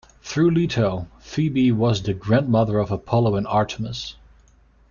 Through Leto, Phoebe was the grandmother of Apollo and Artemis.